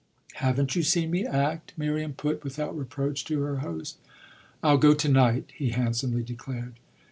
"Haven't you seen me act?" Miriam put, without reproach, to her host. "I'll go to night," he handsomely declared.